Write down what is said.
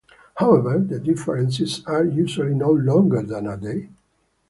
However, the differences are usually no longer than a day.